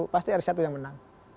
pasti ada satu yang menang